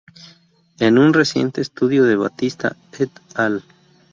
En un reciente estudio de Batista "et al".